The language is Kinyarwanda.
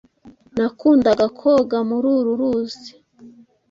Nakundaga koga muri uru ruzi.